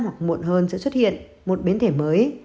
hoặc muộn hơn sẽ xuất hiện một biến thể mới